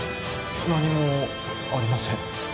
何もありません。